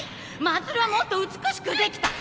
真鶴はもっと美しくできた！